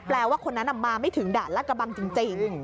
ว่าคนนั้นมาไม่ถึงด่านลากระบังจริง